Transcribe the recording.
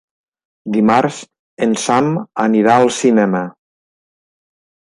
Dimarts en Sam anirà al cinema.